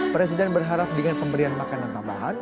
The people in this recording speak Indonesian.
presiden berharap dengan pemberian makanan tambahan